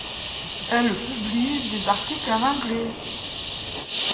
Elle publie des articles en anglais.